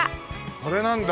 これなんだ。